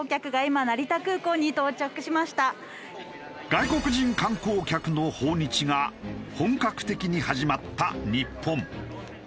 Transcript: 外国人観光客の訪日が本格的に始まった日本。